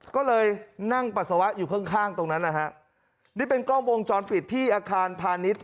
ก็เลยนั่งปัสสาวะอยู่ข้างข้างตรงนั้นนะฮะนี่เป็นกล้องวงจรปิดที่อาคารพาณิชย์